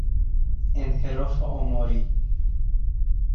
انحراف آماری